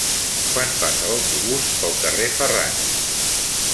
Quan passa l'autobús pel carrer Ferran?